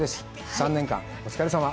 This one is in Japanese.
３年間、お疲れさま！